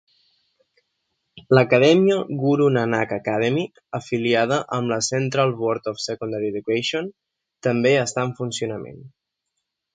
L'acadèmia Guru Nanak Academy, afiliada amb el Central Board of Secondary Education, també està en funcionament.